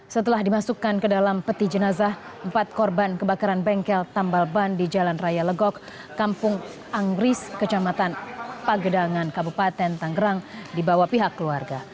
setelah dimasukkan ke dalam peti jenazah empat korban kebakaran bengkel tambal ban di jalan raya legok kampung anggris kecamatan pagedangan kabupaten tanggerang dibawa pihak keluarga